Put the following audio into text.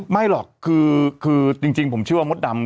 ไม่หรอกคือจริงผมเชื่อว่ามดดำ